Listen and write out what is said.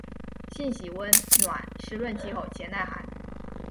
性喜温暖润湿气候且耐寒。